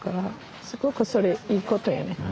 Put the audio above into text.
すごくそれいいことやね。